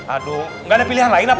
aduh gak ada pilihan lain apa